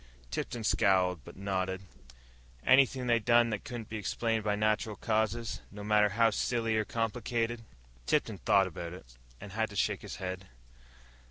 Tipton scowled, but nodded. "Anything they done that couldn't be explained by natural causes, no matter how silly or complicated?" Tipton thought about it, and had to shake his head.